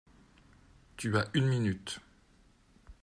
Tu as une minute.